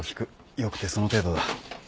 よくてその程度だ。